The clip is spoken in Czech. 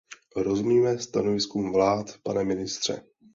Rozumíme stanoviskům vlád, pane ministře.